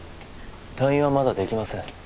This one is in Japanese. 退院はまだできません